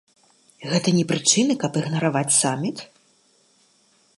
Гэта не прычына, каб ігнараваць саміт?